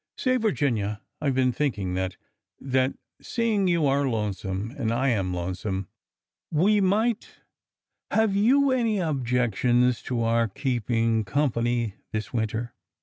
Say, Virginia, I 've been think ing that — that— seeing you are lonesome and I am lone some— we might— have you any objections to our keeping company this winter